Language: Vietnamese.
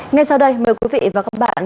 ngay sau đây mời quý vị và các bạn